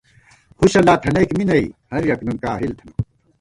ہُݭہ لا تھنَئیک می نئ ، ہریَک نُن کاہل تھنہ